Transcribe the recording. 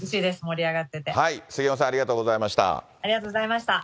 杉山さん、ありがとうございありがとうございました。